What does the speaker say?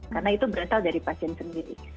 karena itu berasal dari pasien sendiri